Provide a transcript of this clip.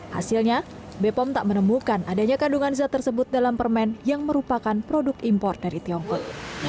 hasilnya bepom tak menemukan adanya kandungan zat tersebut dalam permen yang merupakan produk impor dari tiongkok